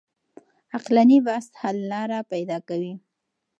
عقلاني بحث حل لاره پيدا کوي.